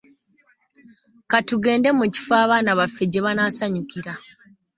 Ka tugende mu kifo abaana baffe gye banaasanyukira